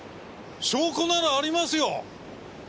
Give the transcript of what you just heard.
証拠ならありますよ！